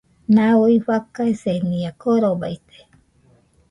Nau fakaisenia korobaite